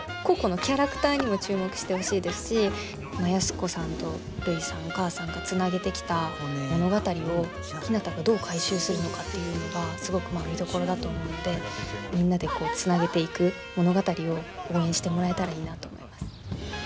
個々のキャラクターにも注目してほしいですし安子さんとるいさんお母さんがつなげてきた物語をひなたがどう回収するのかっていうのがすごく見どころだと思うのでみんなでつなげていく物語を応援してもらえたらいいなと思います。